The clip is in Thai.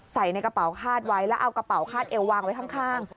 ในกระเป๋าคาดไว้แล้วเอากระเป๋าคาดเอววางไว้ข้าง